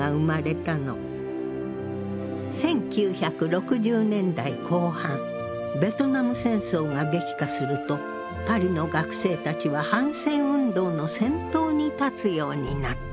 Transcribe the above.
１９６０年代後半ベトナム戦争が激化するとパリの学生たちは反戦運動の先頭に立つようになった。